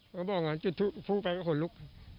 เขาบอกว่าจุดทูปพูดไปก็ขนลุก